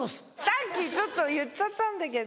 さっきちょっと言っちゃったんだけど。